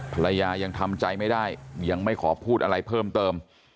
ภรรยายังทำใจไม่ได้ยังไม่ขอพูดอะไรเพิ่มเติม